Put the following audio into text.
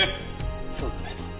そうだね。